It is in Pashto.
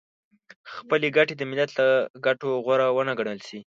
خپلې ګټې د ملت له ګټو غوره ونه ګڼل شي .